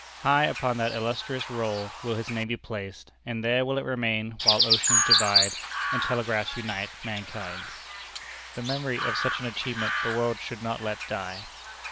High upon that illustrious roll will his name be placed, and there will it remain while oceans divide, and telegraphs unite, mankind." The memory of such an achievement the world should not let die.